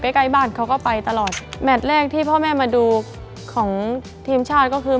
ใกล้ใกล้บ้านเขาก็ไปตลอดแมทแรกที่พ่อแม่มาดูของทีมชาติก็คือ